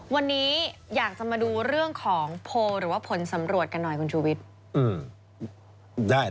วันนี้อยากจะมาดูเรื่องของโพลหรือว่าผลสำรวจกันหน่อยคุณชุวิต